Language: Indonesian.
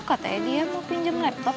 katanya dia mau pinjem laptop